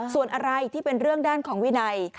ส่วนอะไรที่เป็นเรื่องด้านของวินัย